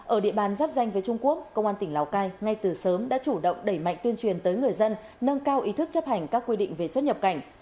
ở địa bàn giáp danh với trung quốc công an tỉnh lào cai ngay từ sớm đã chủ động đẩy mạnh tuyên truyền tới người dân nâng cao ý thức chấp hành các quy định về xuất nhập cảnh